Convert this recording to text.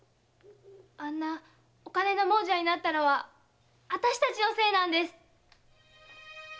あんなお金の亡者になったのはあたしたちのせいなんです。